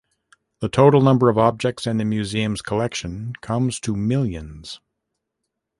The total number of objects in the museum's collection comes to millions.